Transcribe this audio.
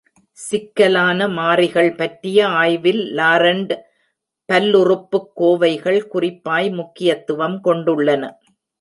சிக்கலான மாறிகள் பற்றிய ஆய்வில் லாரண்ட் பல்லுறுப்புக் கோவைகள் குறிப்பாய் முக்கியத்துவம் கொண்டுள்ளன.